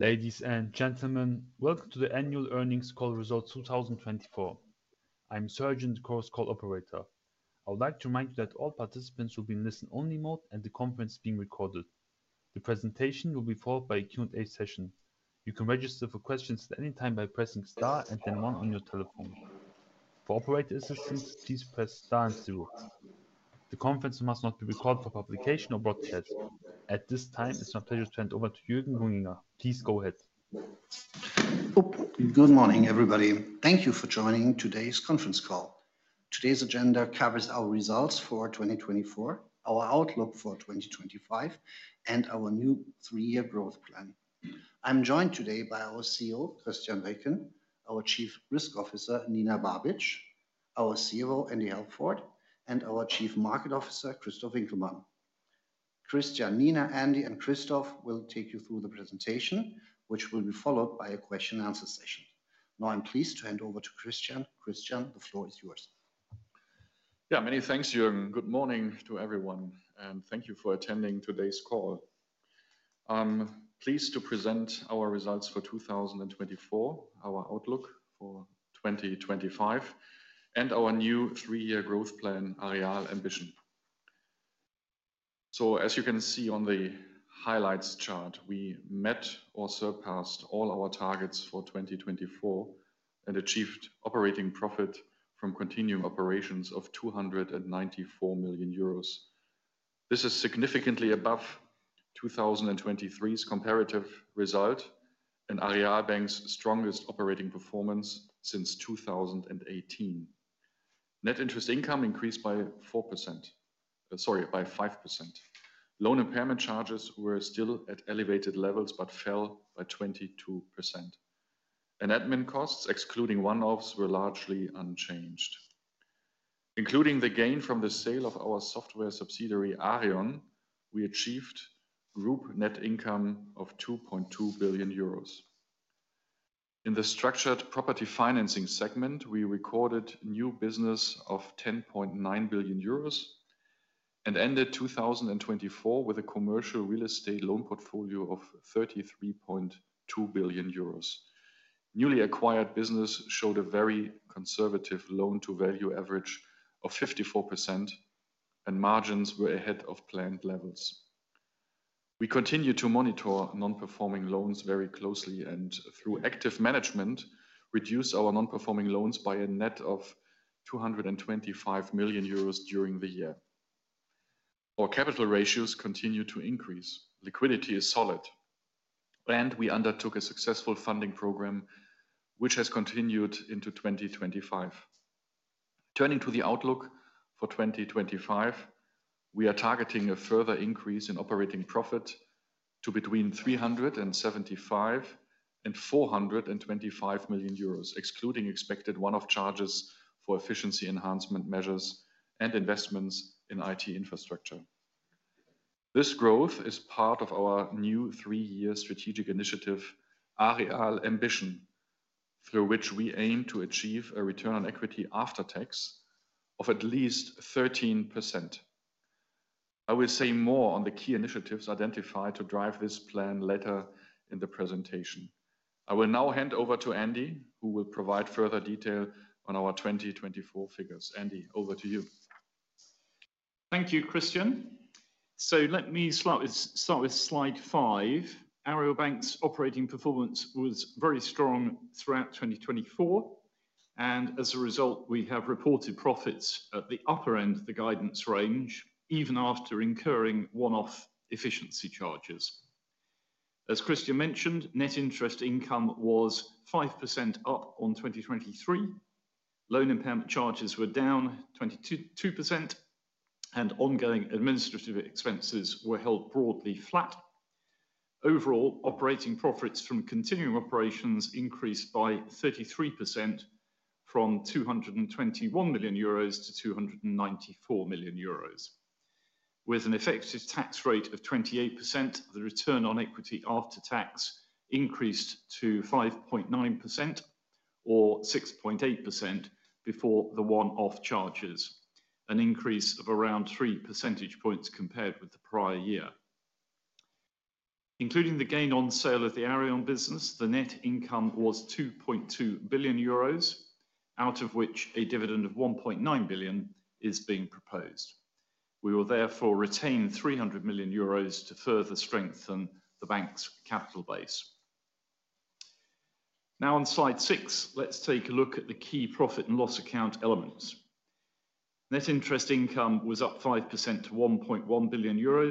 Ladies and gentlemen, welcome to the Annual Earnings Call, Results 2024. I'm Sarah, the conference call operator. I would like to remind you that all participants will be in listen-only mode and the conference is being recorded. The presentation will be followed by a Q&A session. You can register for questions at any time by pressing star and then one on your telephone. For operator assistance, please press star and zero. The conference must not be recorded for publication or broadcast. At this time, it's my pleasure to hand over to Jürgen Junginger. Please go ahead. Good morning, everybody. Thank you for joining today's conference call. Today's agenda covers our results for 2024, our outlook for 2025, and our new three-year growth plan. I'm joined today by our CEO, Christian Ricken, our Chief Risk Officer, Nina Babic, our COO, Andy Halford, and our Chief Market Officer, Christoph Winkelmann. Christian, Nina, Andy, and Christoph will take you through the presentation, which will be followed by a question-and-answer session. Now, I'm pleased to hand over to Christian. Christian, the floor is yours. Yeah, many thanks, Jürgen. Good morning to everyone, and thank you for attending today's call. I'm pleased to present our results for 2024, our outlook for 2025, and our new three-year growth plan, Aareal Ambition. So, as you can see on the highlights chart, we met or surpassed all our targets for 2024 and achieved operating profit from continuing operations of €294 million. This is significantly above 2023's comparative result and Aareal Bank's strongest operating performance since 2018. Net interest income increased by 4%, sorry, by 5%. Loan impairment charges were still at elevated levels but fell by 22%. And admin costs, excluding one-offs, were largely unchanged. Including the gain from the sale of our software subsidiary, Aareon, we achieved a group net income of €2.2 billion. In the structured property financing segment, we recorded new business of 10.9 billion euros and ended 2024 with a commercial real estate loan portfolio of 33.2 billion euros. Newly acquired business showed a very conservative loan-to-value average of 54%, and margins were ahead of planned levels. We continue to monitor non-performing loans very closely and, through active management, reduce our non-performing loans by a net of 225 million euros during the year. Our capital ratios continue to increase. Liquidity is solid, and we undertook a successful funding program, which has continued into 2025. Turning to the outlook for 2025, we are targeting a further increase in operating profit to between 375 and 425 million euros, excluding expected one-off charges for efficiency enhancement measures and investments in IT infrastructure. This growth is part of our new three-year strategic initiative, Aareal Ambition, through which we aim to achieve a return on equity after tax of at least 13%. I will say more on the key initiatives identified to drive this plan later in the presentation. I will now hand over to Andy, who will provide further detail on our 2024 figures. Andy, over to you. Thank you, Christian. So, let me start with slide five. Aareal Bank's operating performance was very strong throughout 2024, and as a result, we have reported profits at the upper end of the guidance range, even after incurring one-off efficiency charges. As Christian mentioned, net interest income was 5% up on 2023. Loan impairment charges were down 22%, and ongoing administrative expenses were held broadly flat. Overall, operating profits from continuing operations increased by 33% from 221 million euros to 294 million euros. With an effective tax rate of 28%, the return on equity after tax increased to 5.9% or 6.8% before the one-off charges, an increase of around 3 percentage points compared with the prior year. Including the gain on sale of the Aareon business, the net income was 2.2 billion euros, out of which a dividend of 1.9 billion is being proposed. We will therefore retain €300 million to further strengthen the bank's capital base. Now, on slide six, let's take a look at the key profit and loss account elements. Net interest income was up 5% to €1.1 billion.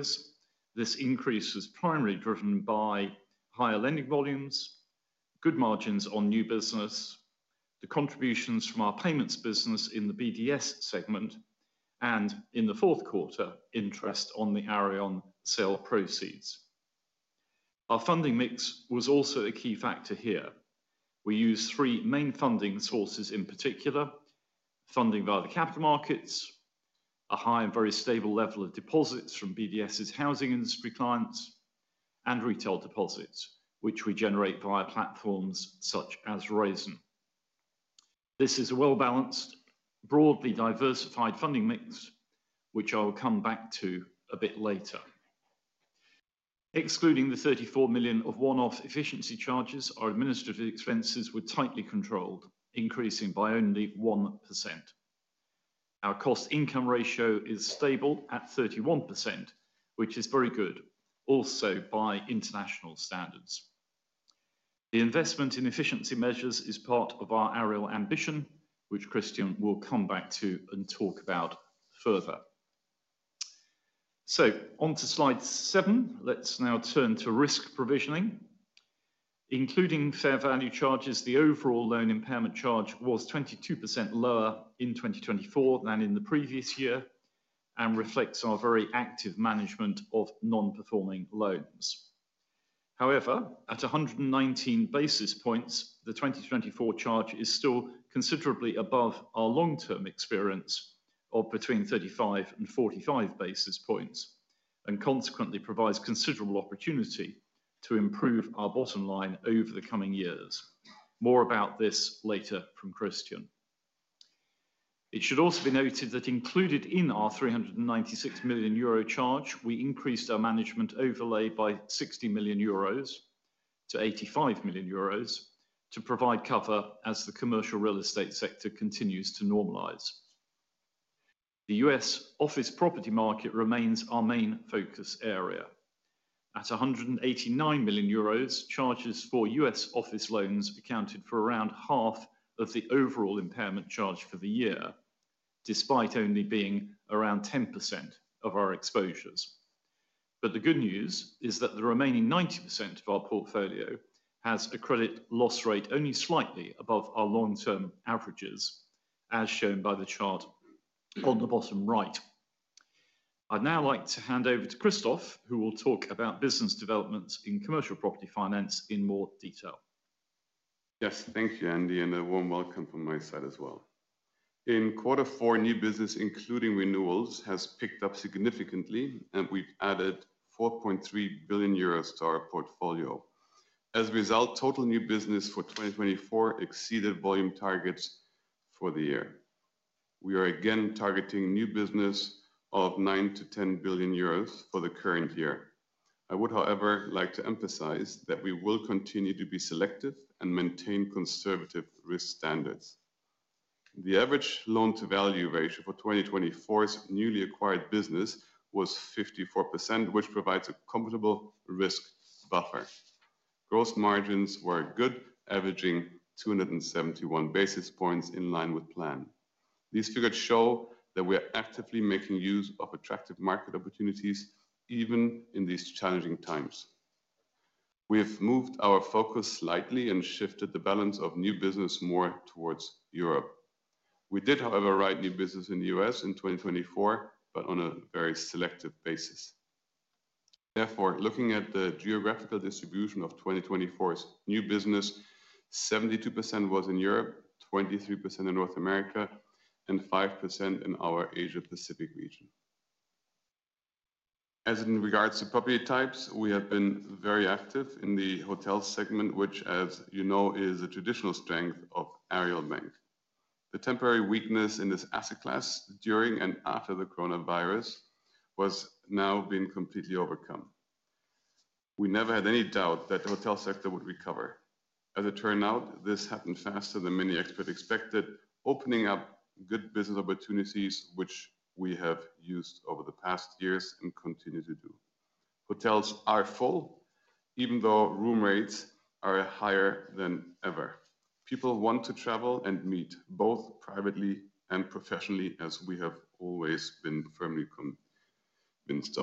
This increase was primarily driven by higher lending volumes, good margins on new business, the contributions from our payments business in the BDS segment, and in the fourth quarter, interest on the Aareon sale proceeds. Our funding mix was also a key factor here. We use three main funding sources in particular: funding via the capital markets, a high and very stable level of deposits from BDS's housing industry clients, and retail deposits, which we generate via platforms such as Raisin. This is a well-balanced, broadly diversified funding mix, which I will come back to a bit later. Excluding the €34 million of one-off efficiency charges, our administrative expenses were tightly controlled, increasing by only 1%. Our cost-income ratio is stable at 31%, which is very good, also by international standards. The investment in efficiency measures is part of our Aareal Ambition, which Christian will come back to and talk about further. So, on to slide seven. Let's now turn to risk provisioning. Including fair value charges, the overall loan impairment charge was 22% lower in 2024 than in the previous year and reflects our very active management of non-performing loans. However, at 119 basis points, the 2024 charge is still considerably above our long-term experience of between 35 and 45 basis points and consequently provides considerable opportunity to improve our bottom line over the coming years. More about this later from Christian. It should also be noted that included in our €396 million charge, we increased our management overlay by €60 million to €85 million to provide cover as the commercial real estate sector continues to normalize. The U.S. office property market remains our main focus area. At €189 million, charges for U.S. office loans accounted for around half of the overall impairment charge for the year, despite only being around 10% of our exposures. But the good news is that the remaining 90% of our portfolio has a credit loss rate only slightly above our long-term averages, as shown by the chart on the bottom right. I'd now like to hand over to Christoph, who will talk about business developments in commercial property finance in more detail. Yes, thank you, Andy, and a warm welcome from my side as well. In quarter four, new business, including renewals, has picked up significantly, and we've added 4.3 billion euros to our portfolio. As a result, total new business for 2024 exceeded volume targets for the year. We are again targeting new business of 9-10 billion euros for the current year. I would, however, like to emphasize that we will continue to be selective and maintain conservative risk standards. The average loan-to-value ratio for 2024's newly acquired business was 54%, which provides a comfortable risk buffer. Gross margins were good, averaging 271 basis points in line with plan. These figures show that we are actively making use of attractive market opportunities even in these challenging times. We have moved our focus slightly and shifted the balance of new business more towards Europe. We did, however, write new business in the U.S. in 2024, but on a very selective basis. Therefore, looking at the geographical distribution of 2024's new business, 72% was in Europe, 23% in North America, and 5% in our Asia-Pacific region. As in regards to property types, we have been very active in the hotel segment, which, as you know, is a traditional strength of Aareal Bank. The temporary weakness in this asset class during and after the coronavirus has now been completely overcome. We never had any doubt that the hotel sector would recover. As it turned out, this happened faster than many experts expected, opening up good business opportunities, which we have used over the past years and continue to do. Hotels are full, even though room rates are higher than ever. People want to travel and meet both privately and professionally, as we have always been firmly convinced.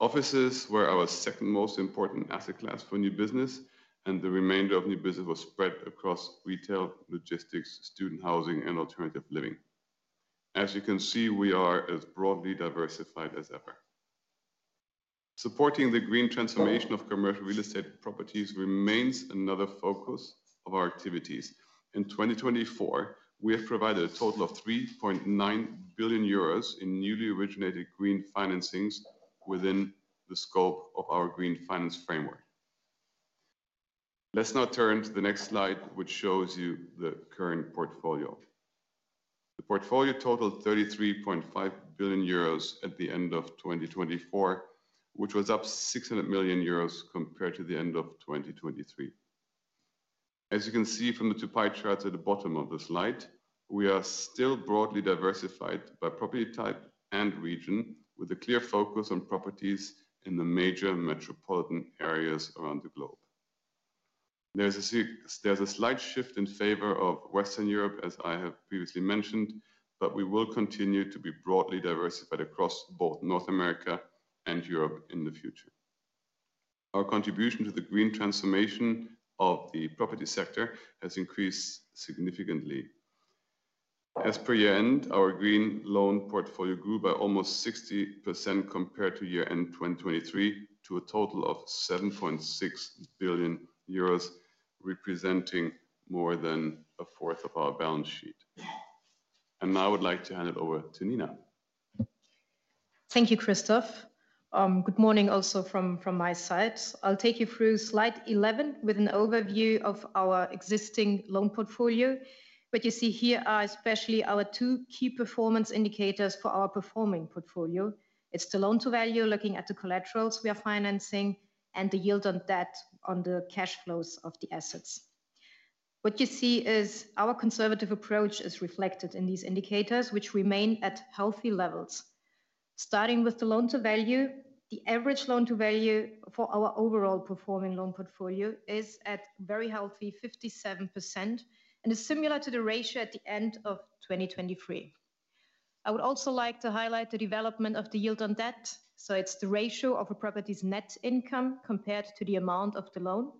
Offices were our second most important asset class for new business, and the remainder of new business was spread across retail, logistics, student housing, and alternative living. As you can see, we are as broadly diversified as ever. Supporting the green transformation of commercial real estate properties remains another focus of our activities. In 2024, we have provided a total of €3.9 billion in newly originated green financings within the scope of our Green Finance Framework. Let's now turn to the next slide, which shows you the current portfolio. The portfolio totaled €33.5 billion at the end of 2024, which was up €600 million compared to the end of 2023. As you can see from the two pie charts at the bottom of the slide, we are still broadly diversified by property type and region, with a clear focus on properties in the major metropolitan areas around the globe. There's a slight shift in favor of Western Europe, as I have previously mentioned, but we will continue to be broadly diversified across both North America and Europe in the future. Our contribution to the green transformation of the property sector has increased significantly. As per year-end, our green loan portfolio grew by almost 60% compared to year-end 2023, to a total of €7.6 billion, representing more than a fourth of our balance sheet, and now I would like to hand it over to Nina. Thank you, Christoph. Good morning also from my side. I'll take you through slide 11 with an overview of our existing loan portfolio. What you see here are especially our two key performance indicators for our performing portfolio. It's the loan-to-value, looking at the collaterals we are financing, and the yield on debt on the cash flows of the assets. What you see is our conservative approach is reflected in these indicators, which remain at healthy levels. Starting with the loan-to-value, the average loan-to-value for our overall performing loan portfolio is at a very healthy 57% and is similar to the ratio at the end of 2023. I would also like to highlight the development of the yield on debt. It's the ratio of a property's net income compared to the amount of the loan,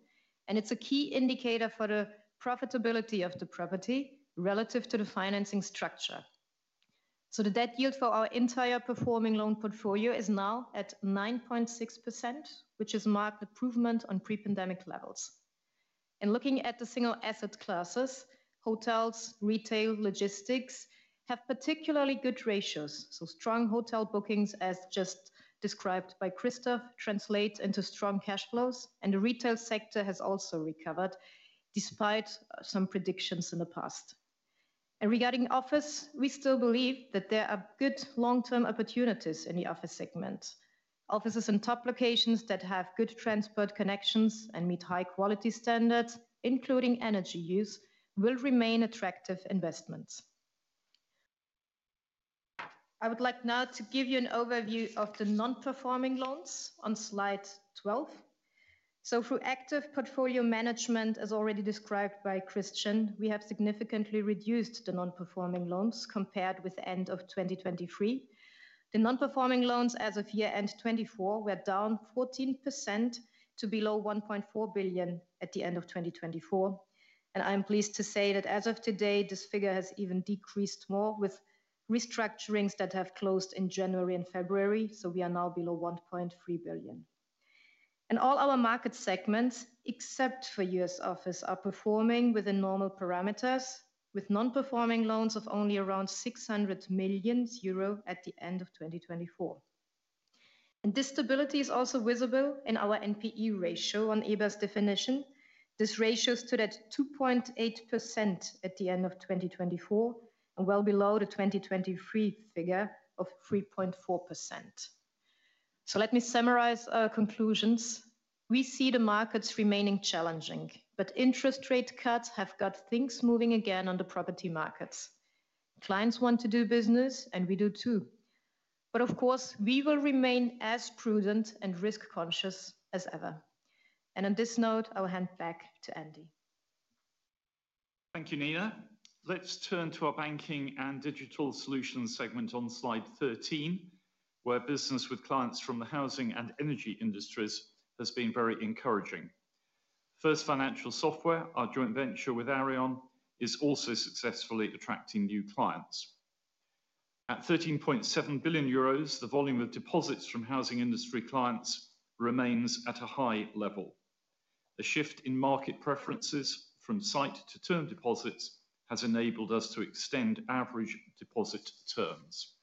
and it's a key indicator for the profitability of the property relative to the financing structure. The debt yield for our entire performing loan portfolio is now at 9.6%, which is marked improvement on pre-pandemic levels. Looking at the single asset classes, hotels, retail, logistics have particularly good ratios. Strong hotel bookings, as just described by Christoph, translate into strong cash flows, and the retail sector has also recovered despite some predictions in the past. Regarding office, we still believe that there are good long-term opportunities in the office segment. Offices in top locations that have good transport connections and meet high-quality standards, including energy use, will remain attractive investments. I would like now to give you an overview of the non-performing loans on slide 12. So through active portfolio management, as already described by Christian, we have significantly reduced the non-performing loans compared with the end of 2023. The non-performing loans as of year-end 2024 were down 14% to below 1.4 billion at the end of 2024. And I'm pleased to say that as of today, this figure has even decreased more with restructurings that have closed in January and February. So we are now below 1.3 billion. And all our market segments, except for U.S. office, are performing within normal parameters, with non-performing loans of only around 600 million euro at the end of 2024. And this stability is also visible in our NPE ratio on EBA's definition. This ratio stood at 2.8% at the end of 2024 and well below the 2023 figure of 3.4%. So let me summarize our conclusions. We see the markets remaining challenging, but interest rate cuts have got things moving again on the property markets. Clients want to do business, and we do too. But of course, we will remain as prudent and risk-conscious as ever. And on this note, I'll hand back to Andy. Thank you, Nina. Let's turn to our banking and digital solutions segment on slide 13, where business with clients from the housing and energy industries has been very encouraging. First Financial Software, our joint venture with Aareon, is also successfully attracting new clients. At 13.7 billion euros, the volume of deposits from housing industry clients remains at a high level. A shift in market preferences from sight-to-term deposits has enabled us to extend average deposit terms.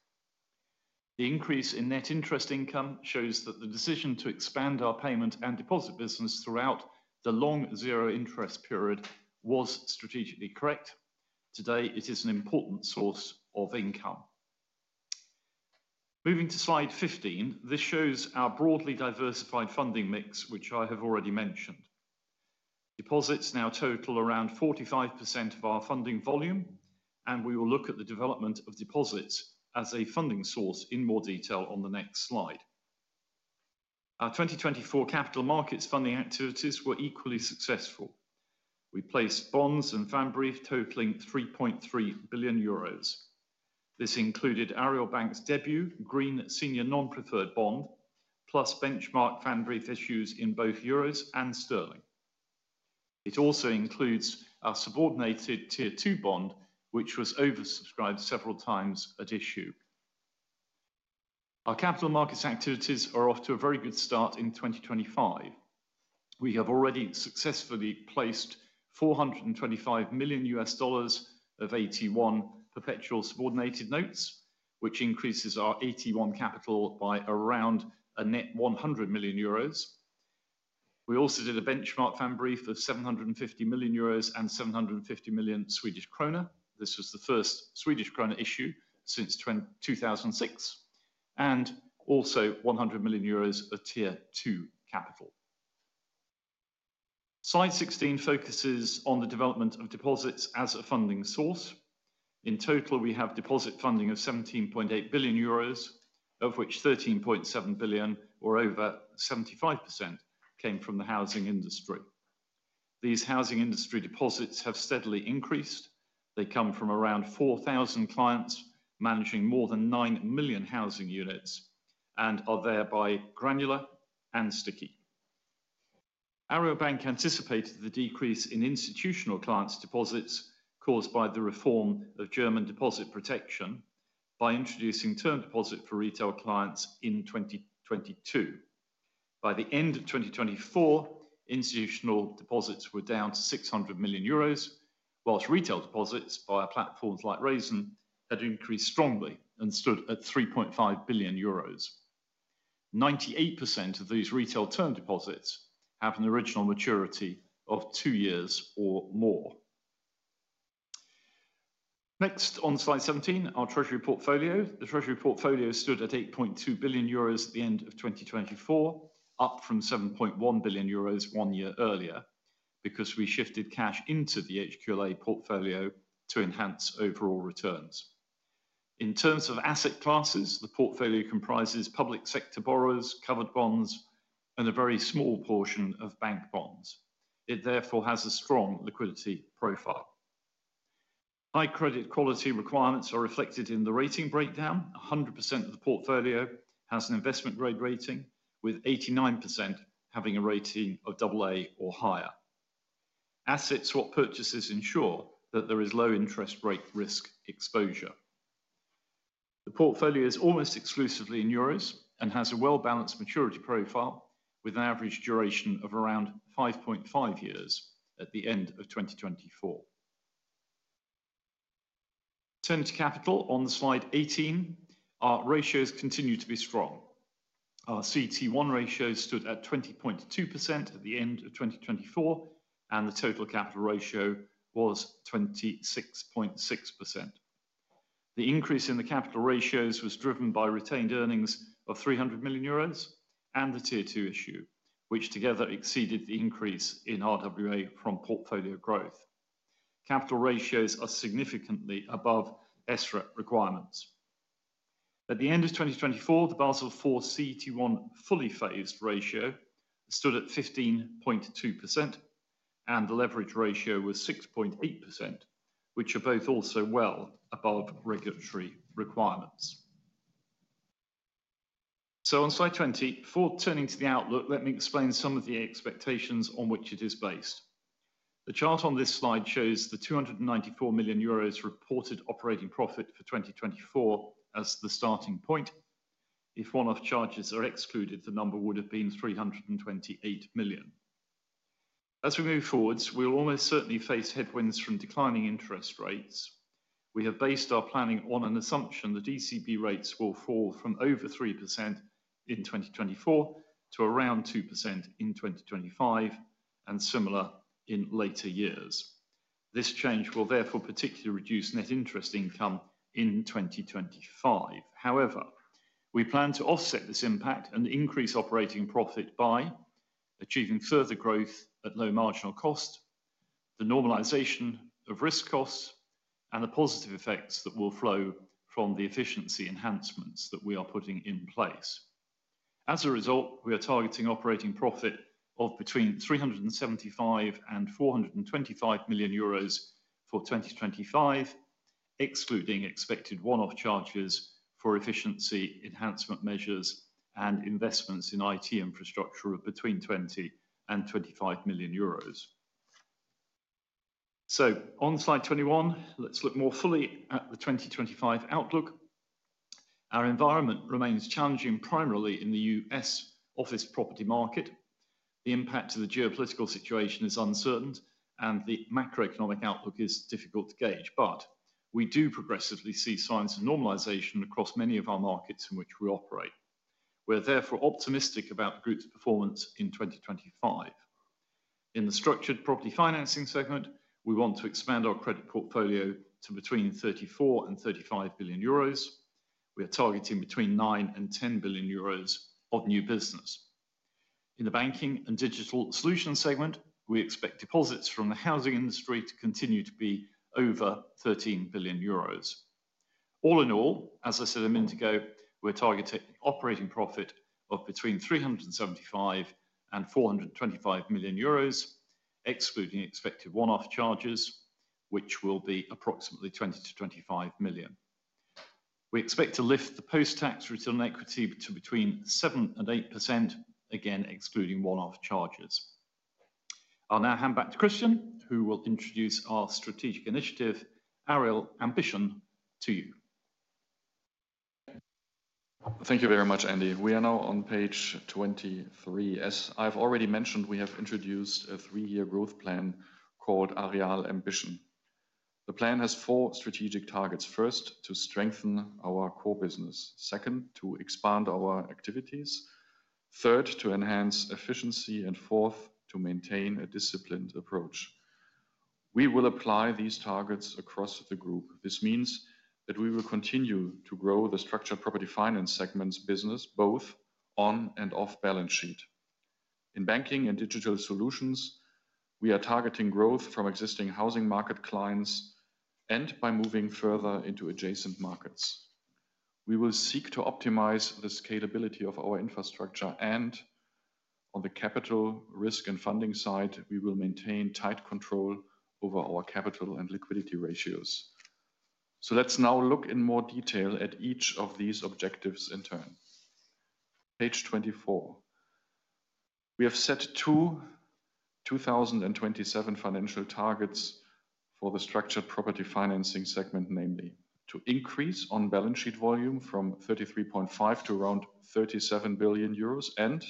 The increase in net interest income shows that the decision to expand our payment and deposit business throughout the long zero-interest period was strategically correct. Today, it is an important source of income. Moving to slide 15, this shows our broadly diversified funding mix, which I have already mentioned. Deposits now total around 45% of our funding volume, and we will look at the development of deposits as a funding source in more detail on the next slide. Our 2024 capital markets funding activities were equally successful. We placed bonds and Pfandbriefe totaling 3.3 billion euros. This included Aareal Bank's debut green senior non-preferred bond, plus benchmark Pfandbrief issues in both euros and sterling. It also includes our subordinated Tier 2 bond, which was oversubscribed several times at issue. Our capital markets activities are off to a very good start in 2025. We have already successfully placed EUR 425 million of AT1 perpetual subordinated notes, which increases our AT1 capital by around a net 100 million euros. We also did a benchmark Pfandbrief of 750 million euros and 750 million Swedish krona. This was the first Swedish krona issue since 2006, and also 100 million euros of Tier 2 capital. Slide 16 focuses on the development of deposits as a funding source. In total, we have deposit funding of €17.8 billion, of which €13.7 billion, or over 75%, came from the housing industry. These housing industry deposits have steadily increased. They come from around 4,000 clients managing more than nine million housing units and are thereby granular and sticky. Aareal Bank anticipated the decrease in institutional clients' deposits caused by the reform of German deposit protection by introducing term deposit for retail clients in 2022. By the end of 2024, institutional deposits were down to €600 million, while retail deposits via platforms like Raisin had increased strongly and stood at €3.5 billion. 98% of these retail term deposits have an original maturity of two years or more. Next, on slide 17, our treasury portfolio. The treasury portfolio stood at €8.2 billion at the end of 2024, up from €7.1 billion one year earlier because we shifted cash into the HQLA portfolio to enhance overall returns. In terms of asset classes, the portfolio comprises public sector borrowers, covered bonds, and a very small portion of bank bonds. It therefore has a strong liquidity profile. High credit quality requirements are reflected in the rating breakdown. 100% of the portfolio has an investment grade rating, with 89% having a rating of AA or higher. Asset swap purchases ensure that there is low interest rate risk exposure. The portfolio is almost exclusively in euros and has a well-balanced maturity profile with an average duration of around 5.5 years at the end of 2024. Turning to capital on slide 18, our ratios continue to be strong. Our CET1 ratio stood at 20.2% at the end of 2024, and the total capital ratio was 26.6%. The increase in the capital ratios was driven by retained earnings of € 300 million and the Tier 2 issue, which together exceeded the increase in RWA from portfolio growth. Capital ratios are significantly above SREP requirements. At the end of 2024, the Basel IV CET1 fully phased ratio stood at 15.2%, and the leverage ratio was 6.8%, which are both also well above regulatory requirements. So on slide 20, before turning to the outlook, let me explain some of the expectations on which it is based. The chart on this slide shows the € 294 million reported operating profit for 2024 as the starting point. If one-off charges are excluded, the number would have been € 328 million. As we move forward, we will almost certainly face headwinds from declining interest rates. We have based our planning on an assumption that ECB rates will fall from over 3% in 2024 to around 2% in 2025 and similar in later years. This change will therefore particularly reduce net interest income in 2025. However, we plan to offset this impact and increase operating profit by achieving further growth at low marginal cost, the normalization of risk costs, and the positive effects that will flow from the efficiency enhancements that we are putting in place. As a result, we are targeting operating profit of between €375 and €425 million for 2025, excluding expected one-off charges for efficiency enhancement measures and investments in IT infrastructure of between €20 and €25 million. So on slide 21, let's look more fully at the 2025 outlook. Our environment remains challenging primarily in the U.S. office property market. The impact of the geopolitical situation is uncertain, and the macroeconomic outlook is difficult to gauge. But we do progressively see signs of normalization across many of our markets in which we operate. We are therefore optimistic about the group's performance in 2025. In the structured property financing segment, we want to expand our credit portfolio to between 34 and 35 billion euros. We are targeting between 9 and 10 billion euros of new business. In the banking and digital solutions segment, we expect deposits from the housing industry to continue to be over 13 billion euros. All in all, as I said a minute ago, we're targeting operating profit of between 375 and 425 million euros, excluding expected one-off charges, which will be approximately 20 to 25 million. We expect to lift the post-tax return on equity to between 7 and 8%, again excluding one-off charges. I'll now hand back to Christian, who will introduce our strategic initiative, Aareal Ambition, to you. Thank you very much, Andy. We are now on page 23. As I've already mentioned, we have introduced a three-year growth plan called Aareal Ambition. The plan has four strategic targets. First, to strengthen our core business. Second, to expand our activities. Third, to enhance efficiency. And fourth, to maintain a disciplined approach. We will apply these targets across the group. This means that we will continue to grow the structured property finance segment's business both on and off balance sheet. In banking and digital solutions, we are targeting growth from existing housing market clients and by moving further into adjacent markets. We will seek to optimize the scalability of our infrastructure. And on the capital risk and funding side, we will maintain tight control over our capital and liquidity ratios. So let's now look in more detail at each of these objectives in turn. Page 24. We have set two 2027 financial targets for the Structured Property Financing segment, namely to increase on balance sheet volume from 33.5 billion to around 37 billion euros and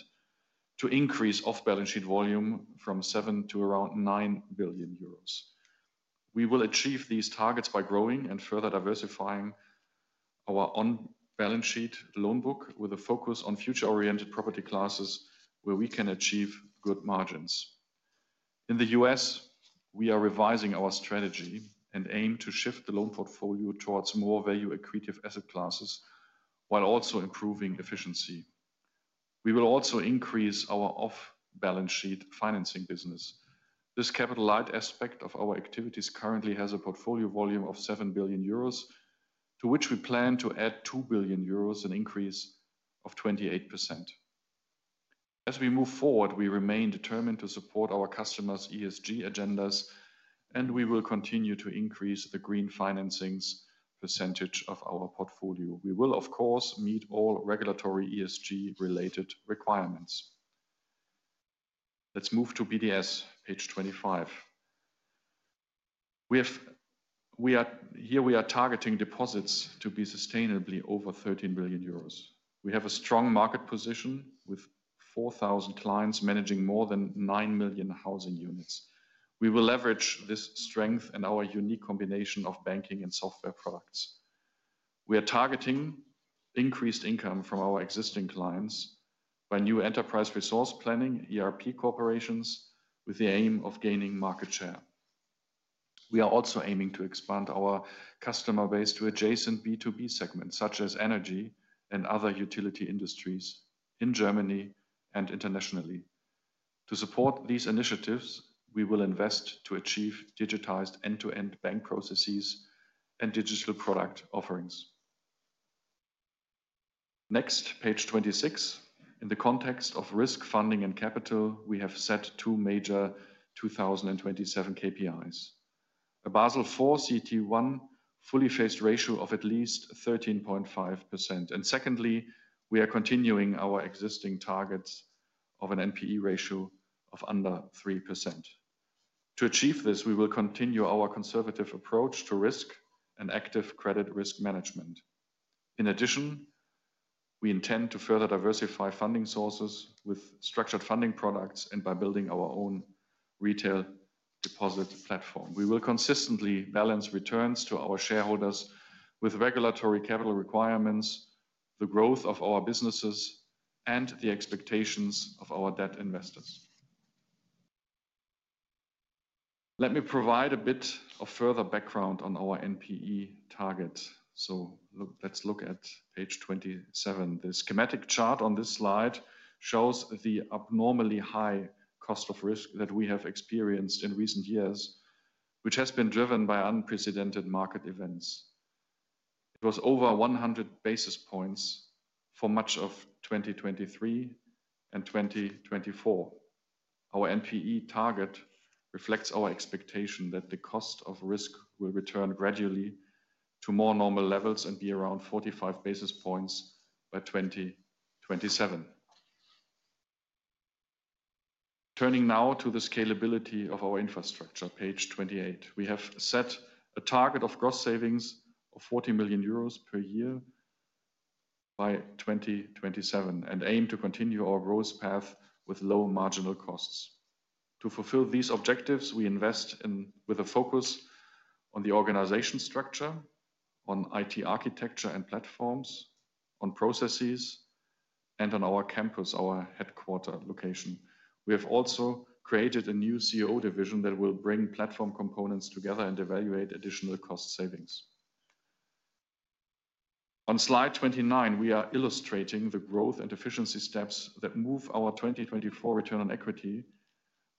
to increase off-balance sheet volume from 7 billion to around 9 billion euros. We will achieve these targets by growing and further diversifying our on-balance sheet loan book with a focus on future-oriented property classes where we can achieve good margins. In the U.S., we are revising our strategy and aim to shift the loan portfolio towards more value-accretive asset classes while also improving efficiency. We will also increase our off-balance sheet financing business. This capital-light aspect of our activities currently has a portfolio volume of 7 billion euros, to which we plan to add 2 billion euros, an increase of 28%. As we move forward, we remain determined to support our customers' ESG agendas, and we will continue to increase the green financing percentage of our portfolio. We will, of course, meet all regulatory ESG-related requirements. Let's move to BDS, page 25. Here we are targeting deposits to be sustainably over €13 billion. We have a strong market position with 4,000 clients managing more than 9 million housing units. We will leverage this strength and our unique combination of banking and software products. We are targeting increased income from our existing clients by new enterprise resource planning, ERP coorperations, with the aim of gaining market share. We are also aiming to expand our customer base to adjacent B2B segments, such as energy and other utility industries in Germany and internationally. To support these initiatives, we will invest to achieve digitized end-to-end bank processes and digital product offerings. Next, page 26. In the context of risk funding and capital, we have set two major 2027 KPIs: a Basel IV CET1 fully phased ratio of at least 13.5%. And secondly, we are continuing our existing targets of an NPE ratio of under 3%. To achieve this, we will continue our conservative approach to risk and active credit risk management. In addition, we intend to further diversify funding sources with structured funding products and by building our own retail deposit platform. We will consistently balance returns to our shareholders with regulatory capital requirements, the growth of our businesses, and the expectations of our debt investors. Let me provide a bit of further background on our NPE targets. So let's look at page 27. The schematic chart on this slide shows the abnormally high cost of risk that we have experienced in recent years, which has been driven by unprecedented market events. It was over 100 basis points for much of 2023 and 2024. Our NPE target reflects our expectation that the cost of risk will return gradually to more normal levels and be around 45 basis points by 2027. Turning now to the scalability of our infrastructure, page 28. We have set a target of gross savings of 40 million euros per year by 2027 and aim to continue our growth path with low marginal costs. To fulfill these objectives, we invest with a focus on the organization structure, on IT architecture and platforms, on processes, and on our campus, our headquarter location. We have also created a new COO division that will bring platform components together and evaluate additional cost savings. On slide 29, we are illustrating the growth and efficiency steps that move our 2024 return on equity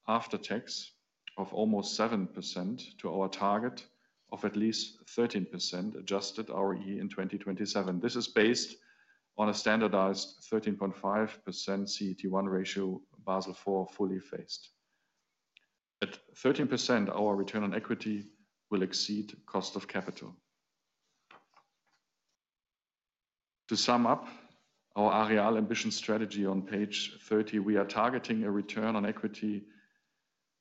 after tax of almost 7% to our target of at least 13% adjusted ROE in 2027. This is based on a standardized 13.5% CET1 ratio, Basel IV fully phased. At 13%, our return on equity will exceed cost of capital. To sum up our Aareal Ambition strategy on page 30, we are targeting a return on equity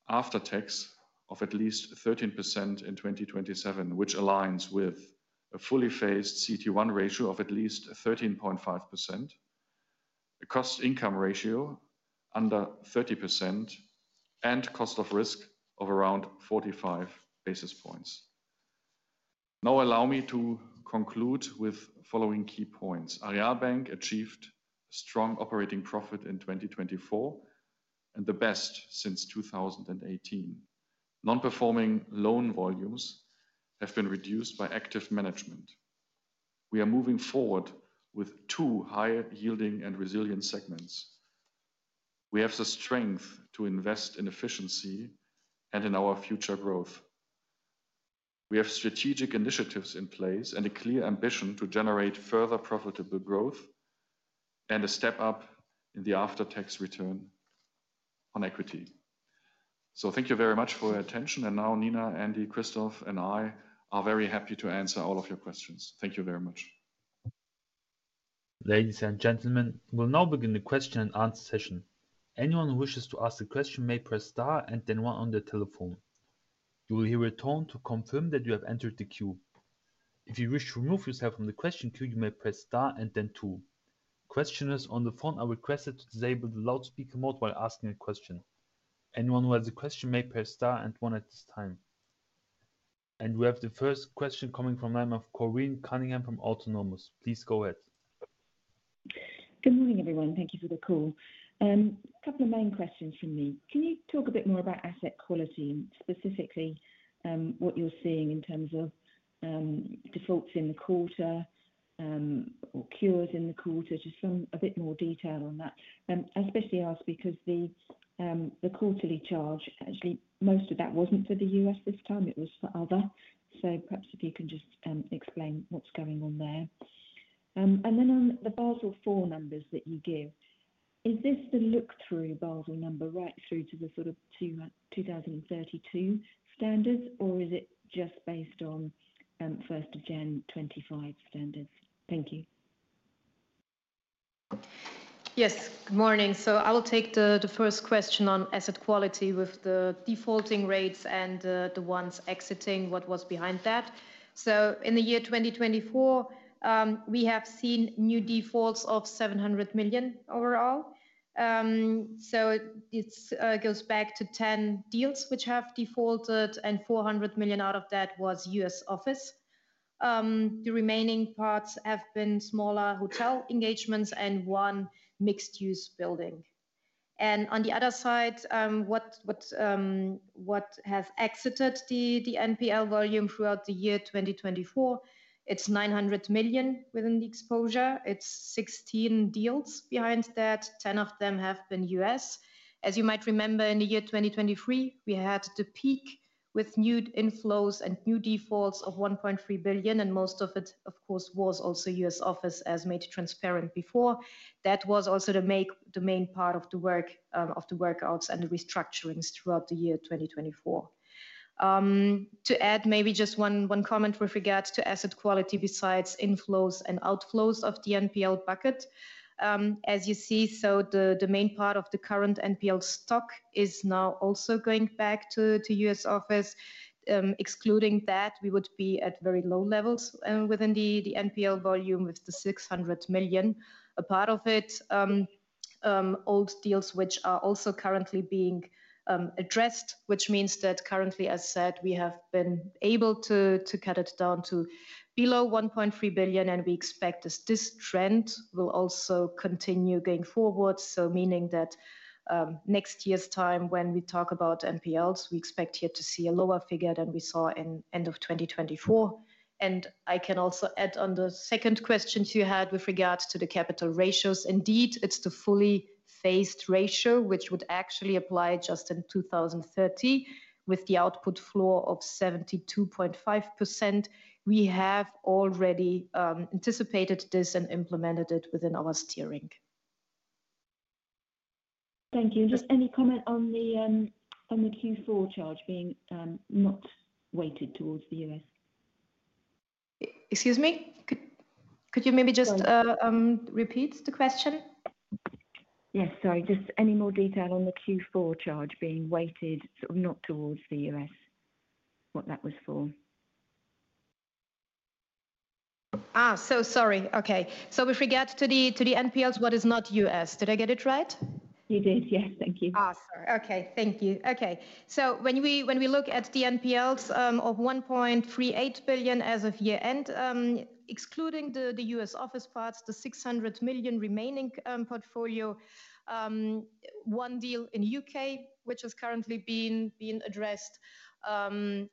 after tax of at least 13% in 2027, which aligns with a fully phased CET1 ratio of at least 13.5%, a cost income ratio under 30%, and cost of risk of around 45 basis points. Now allow me to conclude with the following key points. Aareal Bank achieved strong operating profit in 2024 and the best since 2018. Non-performing loan volumes have been reduced by active management. We are moving forward with two high-yielding and resilient segments. We have the strength to invest in efficiency and in our future growth. We have strategic initiatives in place and a clear ambition to generate further profitable growth and a step up in the after-tax return on equity. So thank you very much for your attention. And now Nina, Andy, Christoph, and I are very happy to answer all of your questions. Thank you very much. Ladies and gentlemen, we'll now begin the question and answer session. Anyone who wishes to ask a question may press star and then one on the telephone. You will hear a tone to confirm that you have entered the queue. If you wish to remove yourself from the question queue, you may press star and then two. Questioners on the phone are requested to disable the loudspeaker mode while asking a question. Anyone who has a question may press star and one at this time. And we have the first question coming from Corinne Cunningham from Autonomous Research. Please go ahead. Good morning, everyone. Thank you for the call. A couple of main questions from me. Can you talk a bit more about asset quality and specifically what you're seeing in terms of defaults in the quarter or cures in the quarter? Just a bit more detail on that. I especially ask because the quarterly charge, actually, most of that wasn't for the U.S. this time. It was for other. So perhaps if you can just explain what's going on there. And then on the Basel IV numbers that you give, is this the look-through Basel number right through to the sort of 2032 standards, or is it just based on first of January 2025 standards? Thank you. Yes, good morning. I will take the first question on asset quality with the defaulting rates and the ones exiting, what was behind that. In the year 2024, we have seen new defaults of 700 million overall. It goes back to 10 deals which have defaulted, and 400 million out of that was U.S. office. The remaining parts have been smaller hotel engagements and one mixed-use building. On the other side, what has exited the NPL volume throughout the year 2024? It's 900 million within the exposure. It's 16 deals behind that. 10 of them have been U.S. As you might remember, in the year 2023, we had the peak with new inflows and new defaults of 1.3 billion, and most of it, of course, was also U.S. office, as made transparent before. That was also the main part of the work of the workouts and the restructurings throughout the year 2024. To add maybe just one comment with regards to asset quality besides inflows and outflows of the NPL bucket. As you see, so the main part of the current NPL stock is now also going back to U.S. office. Excluding that, we would be at very low levels within the NPL volume with the € 600 million a part of it. Old deals, which are also currently being addressed, which means that currently, as said, we have been able to cut it down to below € 1.3 billion, and we expect this trend will also continue going forward. So meaning that next year's time, when we talk about NPLs, we expect here to see a lower figure than we saw in the end of 2024. And I can also add on the second question you had with regards to the capital ratios. Indeed, it's the fully phased ratio, which would actually apply just in 2030 with the output floor of 72.5%. We have already anticipated this and implemented it within our steering. Thank you. And just any comment on the Q4 charge being not weighted towards the U.S.? Excuse me? Could you maybe just repeat the question? Yes, sorry. Just any more detail on the Q4 charge being weighted, sort of not towards the U.S., what that was for? So sorry. Okay. So with regard to the NPLs, what is not U.S.? Did I get it right? You did. Yes, thank you. Sorry. Okay, thank you. Okay. So when we look at the NPLs of €1.38 billion as of year-end, excluding the U.S. office parts, the €600 million remaining portfolio, one deal in the U.K., which has currently been addressed, and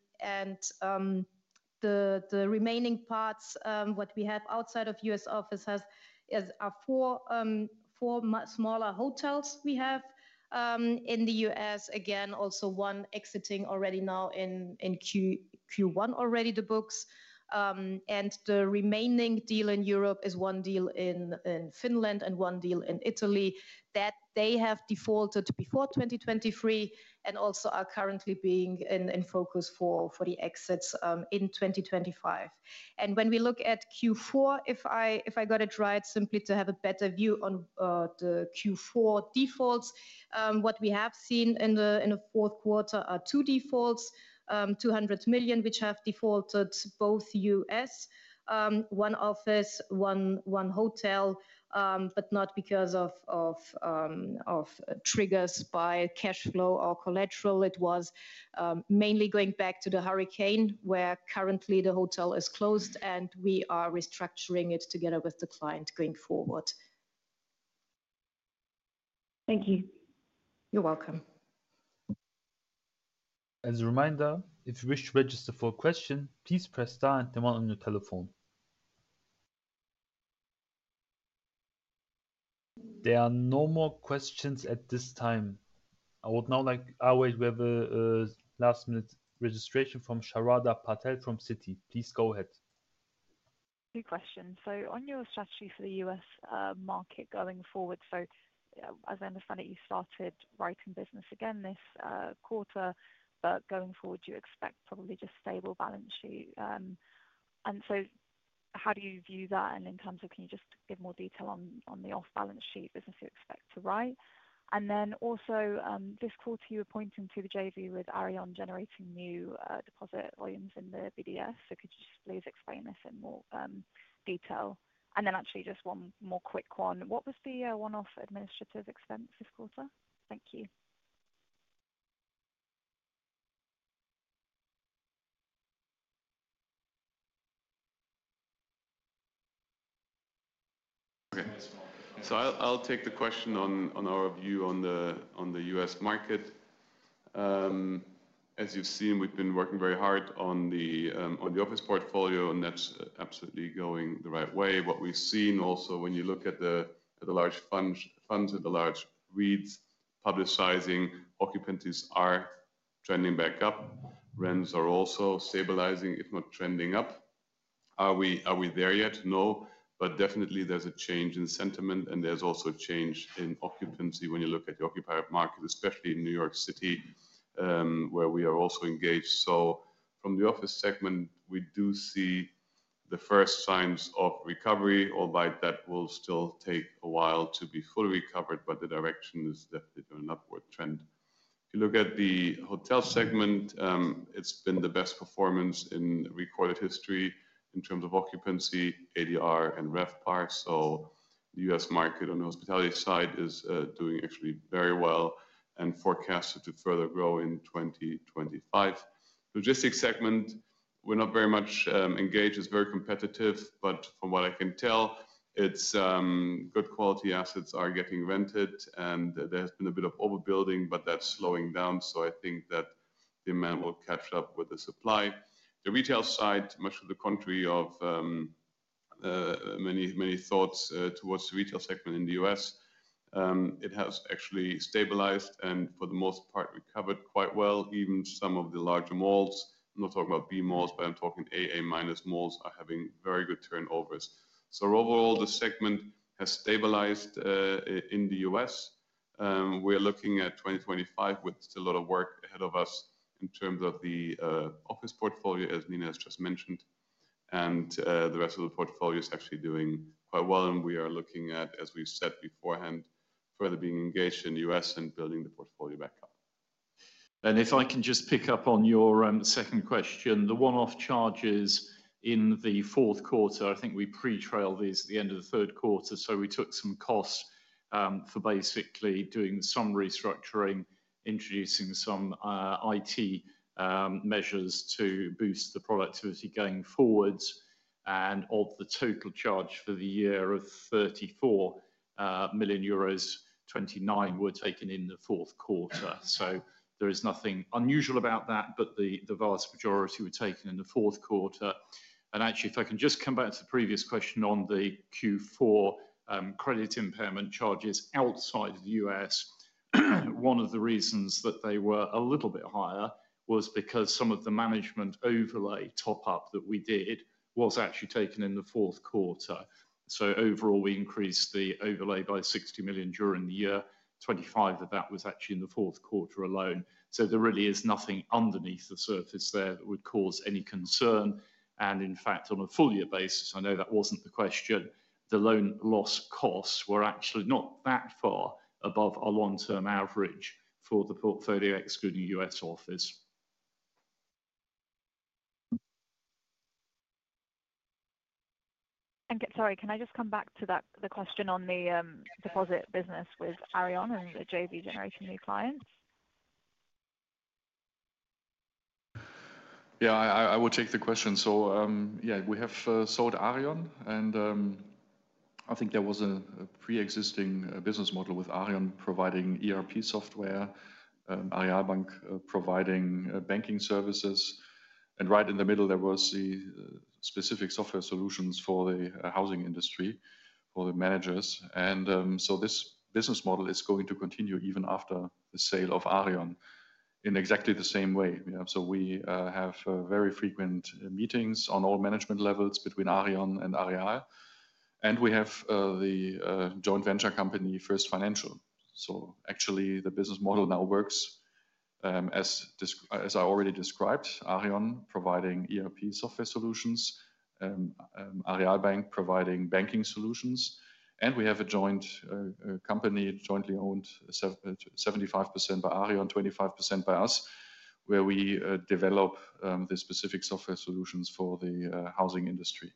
the remaining parts, what we have outside of U.S. office are four smaller hotels we have in the U.S., again, also one exiting already now in Q1 the books. And the remaining deal in Europe is one deal in Finland and one deal in Italy that they have defaulted before 2023 and also are currently being in focus for the exits in 2025. And when we look at Q4, if I got it right, simply to have a better view on the Q4 defaults, what we have seen in the fourth quarter are two defaults, €200 million, which have defaulted both U.S., one office, one hotel, but not because of triggers by cash flow or collateral. It was mainly going back to the hurricane where currently the hotel is closed, and we are restructuring it together with the client going forward. Thank you. You're welcome. As a reminder, if you wish to register for a question, please press star and then one on your telephone. There are no more questions at this time. I would now like to have a last-minute registration from Sharda Patel from Citi. Please go ahead. Good question. So on your strategy for the U.S. market going forward, so as I understand it, you started writing business again this quarter, but going forward, you expect probably just stable balance sheet. And so how do you view that? And in terms of, can you just give more detail on the off-balance sheet business you expect to write? And then also this quarter, you were pointing to the JV with Aareon generating new deposit volumes in the BDS. So could you just please explain this in more detail? And then actually just one more quick one. What was the one-off administrative expense this quarter? Thank you. So I'll take the question on our view on the U.S. market. As you've seen, we've been working very hard on the office portfolio, and that's absolutely going the right way. What we've seen also, when you look at the large funds and the large REITs publicizing, occupancies are trending back up. Rents are also stabilizing, if not trending up. Are we there yet? No. But definitely, there's a change in sentiment, and there's also a change in occupancy when you look at the office market, especially in New York City, where we are also engaged. So from the office segment, we do see the first signs of recovery, although that will still take a while to be fully recovered, but the direction is definitely northward trending. If you look at the hotel segment, it's been the best performance in recorded history in terms of occupancy, ADR, and RevPAR. So the U.S. market on the hospitality side is doing actually very well and forecasted to further grow in 2025. Logistics segment, we're not very much engaged. It's very competitive, but from what I can tell, good quality assets are getting rented, and there has been a bit of overbuilding, but that's slowing down. So I think that the amount will catch up with the supply. The retail side, much of the country of many thoughts towards the retail segment in the U.S., it has actually stabilized and for the most part recovered quite well, even some of the larger malls. I'm not talking about B malls, but I'm talking AA- malls are having very good turnovers. So overall, the segment has stabilized in the U.S. We are looking at 2025 with still a lot of work ahead of us in terms of the office portfolio, as Nina has just mentioned, and the rest of the portfolio is actually doing quite well, and we are looking at, as we said beforehand, further being engaged in the U.S. and building the portfolio back up. And if I can just pick up on your second question, the one-off charges in the fourth quarter. I think we pre-flagged these at the end of the third quarter. So we took some costs for basically doing some restructuring, introducing some IT measures to boost the productivity going forwards. And of the total charge for the year of €34 million, €29 were taken in the fourth quarter. So there is nothing unusual about that, but the vast majority were taken in the fourth quarter. And actually, if I can just come back to the previous question on the Q4 credit impairment charges outside the U.S., one of the reasons that they were a little bit higher was because some of the management overlay top-up that we did was actually taken in the fourth quarter. So overall, we increased the overlay by €60 million during the year. 25 of that was actually in the fourth quarter alone, so there really is nothing underneath the surface there that would cause any concern, and in fact, on a full-year basis, I know that wasn't the question, the loan loss costs were actually not that far above our long-term average for the portfolio, excluding U.S. office. Thank you. Sorry, can I just come back to the question on the deposit business with Raisin and the JV generating new clients? Yeah, I will take the question. So yeah, we have sold Aareon, and I think there was a pre-existing business model with Aareon providing ERP software, Aareal Bank providing banking services. And right in the middle, there were specific software solutions for the housing industry for the managers. And so this business model is going to continue even after the sale of Aareon in exactly the same way. So we have very frequent meetings on all management levels between Aareon and Aareal. And we have the joint venture company, First Financial Software. So actually, the business model now works, as I already described, Aareon providing ERP software solutions, Aareal Bank providing banking solutions. And we have a joint company, jointly owned, 75% by Aareon, 25% by us, where we develop the specific software solutions for the housing industry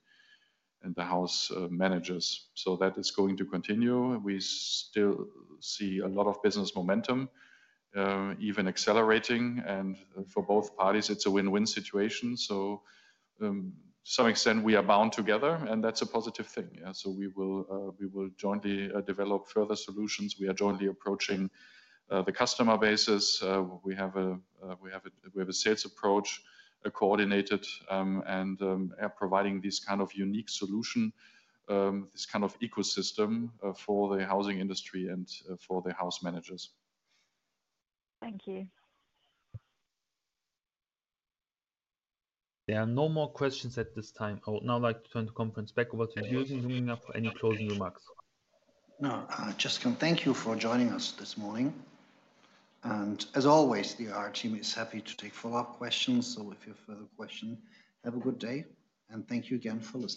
and the house managers. So that is going to continue. We still see a lot of business momentum, even accelerating. And for both parties, it's a win-win situation. So to some extent, we are bound together, and that's a positive thing. So we will jointly develop further solutions. We are jointly approaching the customer bases. We have a sales approach, coordinated, and providing this kind of unique solution, this kind of ecosystem for the housing industry and for the house managers. Thank you. There are no more questions at this time. I would now like to turn the conference back over to you, Jürgen, if you have any closing remarks. Now, I just want to thank you for joining us this morning. And as always, the IR team is happy to take follow-up questions. So if you have further questions, have a good day. And thank you again for listening.